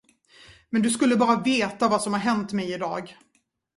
Men du skulle bara veta vad som har hänt mig i dag.